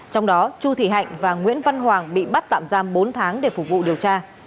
trong đó chu thị hạnh và nguyễn văn hoàng bị bắt tạm giam bốn tháng để phục vụ điều tra